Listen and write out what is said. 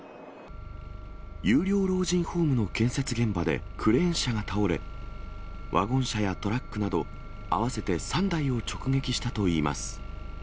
有料老人ホームの建設現場でクレーン車が倒れ、ワゴン車やトラックなど合わせて３台を直撃したといいます。